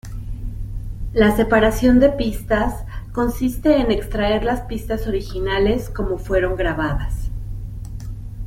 La separación de pistas consiste en extraer las pistas originales como fueron grabadas.